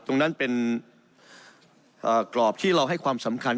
ตรงนั้นเป็นกรอบที่เราให้ความสำคัญ